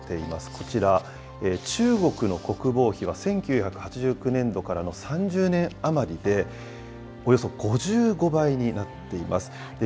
こちら、中国の国防費は、１９８９年度からの３０年余りで、およそ５５倍になっています。